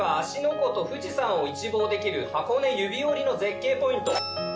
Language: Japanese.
湖と富士山を一望できる箱根指折りの絶景ポイント。